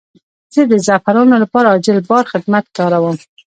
زه د زعفرانو لپاره عاجل بار خدمت کاروم.